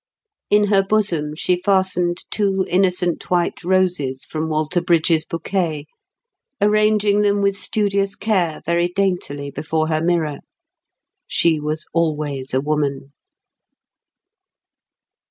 In her bosom she fastened two innocent white roses from Walter Brydges's bouquet, arranging them with studious care very daintily before her mirror. She was always a woman.